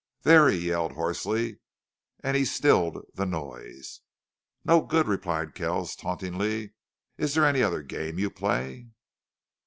"There!" he yelled, hoarsely, and he stilled the noise. "No good!" replied Kells, tauntingly. "Is there any other game you play?"